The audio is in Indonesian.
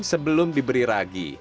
kedelai hitam diberi lagi setelah dingin